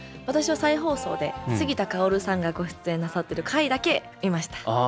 私は再放送で杉田かおるさんがご出演なさってる回だけ見ました。